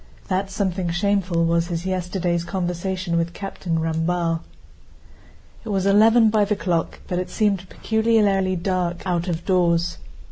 That something shameful was his yesterday's conversation with Captain Ramballe. It was eleven by the clock, but it seemed peculiarly dark out of doors.